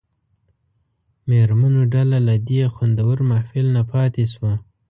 د مېرمنو ډله له دې خوندور محفل نه پاتې شوه.